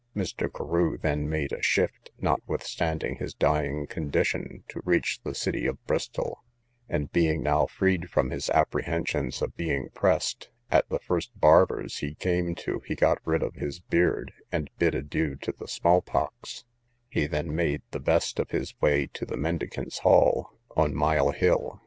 Mr. Carew then made a shift, notwithstanding his dying condition, to reach the city of Bristol; and being now freed from his apprehensions of being pressed, at the first barber's he came to he got rid of his beard, and bid adieu to the small pox; he then made the best of his way to the mendicants' hall, on Mile hill.